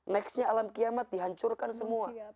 nextnya alam kiamat dihancurkan semua